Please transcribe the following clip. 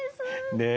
ねえ。